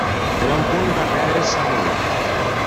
Per un punt va perdre sa mula.